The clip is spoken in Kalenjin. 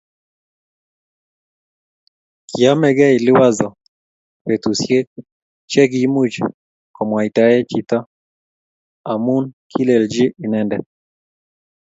Kiamekei Liwazo betusiek che kiimuch komwaitae chito amu kilelchi inendet